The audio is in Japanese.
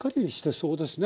そうですね。